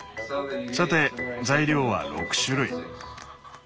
さて材料は６種類。